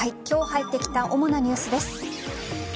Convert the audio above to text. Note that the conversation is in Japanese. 今日入ってきた主なニュースです。